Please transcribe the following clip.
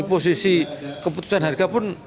posisi keputusan harga pun